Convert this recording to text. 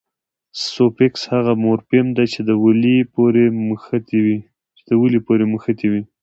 سوفیکس هغه مورفیم دئ، چي د ولي پوري مښتي يي.